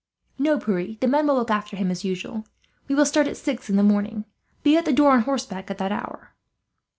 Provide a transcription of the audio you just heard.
"No, Pierre; the men will look after him, as usual. We will start at six in the morning. Be at the door, on horseback, at that hour."